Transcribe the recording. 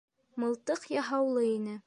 Мылтыҡ яһаулы ине.